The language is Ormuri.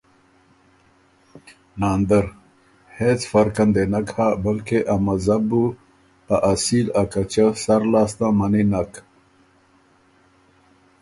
ناندرـــ هېڅ فرقن دې نک هۀ بلکې ا مذهب بُو ا اصیل ا کچۀ سر لاسته منی نک